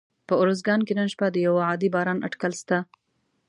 په اروزګان کي نن شپه د یوه عادي باران اټکل سته